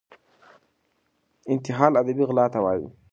انتحال ادبي غلا ته وايي.